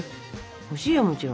欲しいよもちろん。